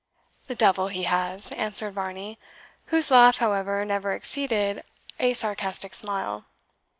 "The devil he has!" answered Varney, whose laugh, however, never exceeded a sarcastic smile.